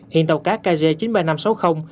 hiện tàu cá kg chín mươi ba nghìn năm trăm sáu mươi